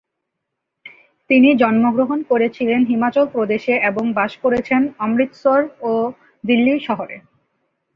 তিনি জন্মগ্রহণ করেছিলেন হিমাচল প্রদেশে এবং বাস করেছেন অমৃতসর ও দিল্লি শহরে।